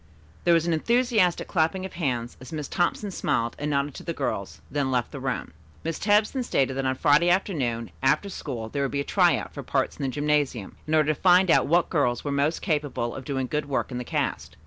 There was an enthusiastic clapping of hands as Miss Thompson smiled and nodded to the girls, then left the room. Miss Tebbs then stated that on Friday afternoon after school there would be a "try out" for parts in the gymnasium, in order to find out what girls were most capable of doing good work in the cast.